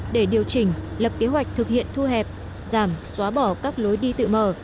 để điều chỉnh lập kế hoạch thực hiện thu hẹp giảm xóa bỏ các lối đi tự mở